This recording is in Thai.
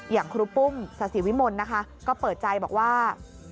ครูปุ้มศาสิวิมลนะคะก็เปิดใจบอกว่า